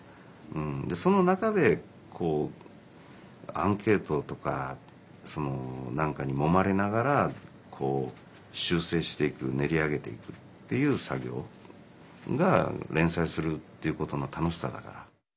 その中でアンケートとか何かにもまれながら修正していく練り上げていくっていう作業が連載するっていうことの楽しさだから。